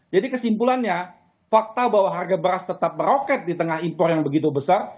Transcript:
jadi kesimpulannya fakta bahwa harga beras tetap meroket di tengah impor yang begitu besar